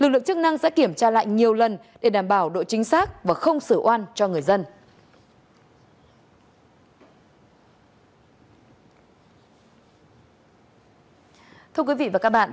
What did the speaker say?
đề bảo độ chính xác và không sửa oan cho người dân